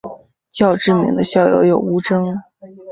较知名的校友有吴峥。